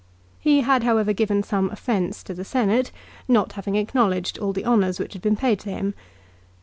He had, however, given some offence to the Senate, not having acknowledged all the honours which had been paid to him.